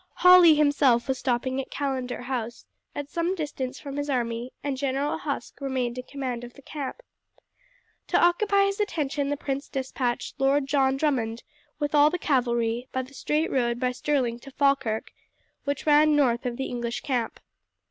Hawley himself was stopping at Callendar House at some distance from his army and General Huske remained in command of the camp. To occupy his attention the prince despatched Lord John Drummond, with all the cavalry, by the straight road by Stirling to Falkirk, which ran north of the English camp.